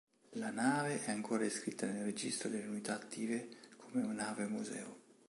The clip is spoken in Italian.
La nave è ancora iscritta nel registro delle unità attive come nave museo.